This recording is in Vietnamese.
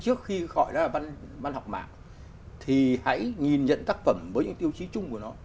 trước khi gọi ra văn học mạng thì hãy nhìn nhận tác phẩm với những tiêu chí chung của nó